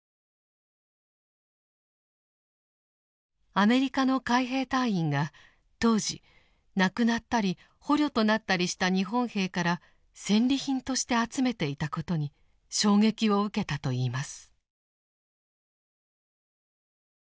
アメリカの海兵隊員が当時亡くなったり捕虜となったりした日本兵から戦利品として集めていたことに衝撃を受けたといいます。